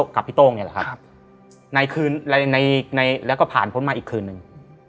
กับพี่โต้งนี่แหละครับในคืนแล้วก็ผ่านพ้นมาอีกคืนนึง